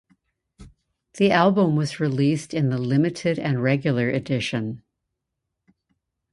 The album was released in the limited and regular edition.